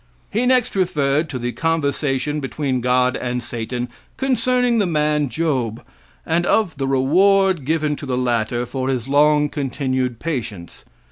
He next referred to the conversation between God and Satan concerning the man Job, and of the reward given to the latter for his long continued patience.